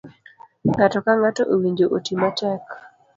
Ng'ato ka ng'ato owinjo oti matek.